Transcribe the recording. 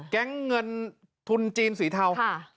แก๊งเงินทุนจีนสีเทา